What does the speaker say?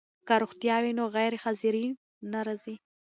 که روغتیا وي نو غیرحاضري نه راځي.